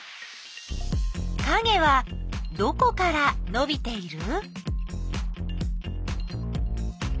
かげはどこからのびている？